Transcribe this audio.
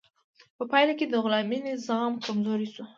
په پایله کې د غلامي نظام کمزوری شو.